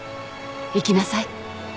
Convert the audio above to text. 行きなさい。